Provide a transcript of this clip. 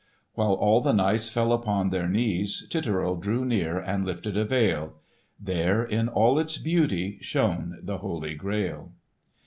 While all the knights fell upon their knees, Titurel drew near and lifted a veil. There in all its beauty shone the Holy Grail!